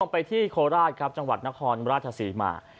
ไปที่โคราชครับจังหวัดนครราชศรีมา